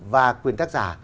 và quyền tác giả